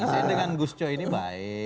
saya dengan gus coy ini baik